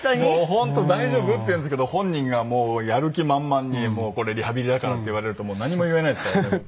「本当大丈夫？」って言うんですけど本人がもうやる気満々に「これリハビリだから」って言われると何も言えないですからね。